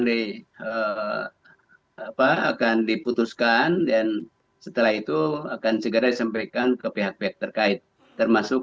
di apa akan diputuskan dan setelah itu akan segera disampaikan ke pihak pihak terkait termasuk